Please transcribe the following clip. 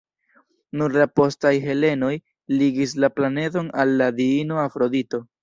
Nur la postaj helenoj ligis la planedon al la diino Afrodito.